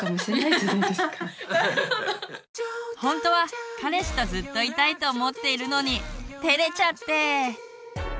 ほんとは彼氏とずっといたいと思っているのにてれちゃって！